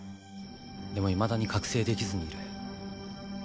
でもいまだに覚醒できずにいる。